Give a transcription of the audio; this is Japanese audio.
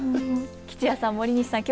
吉弥さん森西さん